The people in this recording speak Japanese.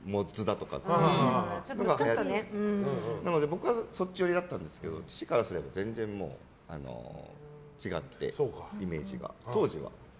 僕はそっち寄りだったんですけど父からすれば違ってイメージが、当時は。